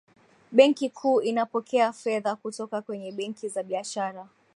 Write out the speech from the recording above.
benki kuu inapokea fedha kutoka kwenye benki za biashara